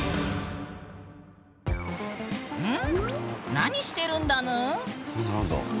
何してるんだぬん？